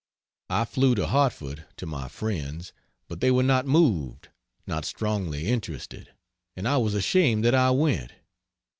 I flew to Hartford to my friends but they were not moved, not strongly interested, and I was ashamed that I went.